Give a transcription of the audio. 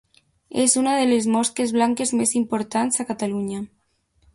És una de les mosques blanques més importants a Catalunya.